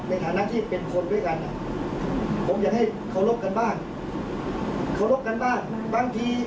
ในฐานะที่เป็นคนด้วยกันนะ